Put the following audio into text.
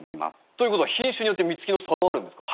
ということは品種によって実つきの差があるんですか？